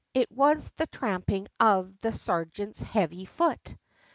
it was the tramping of the sergeant's heavy foot!